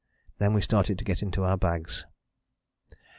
Then we started to get into our bags.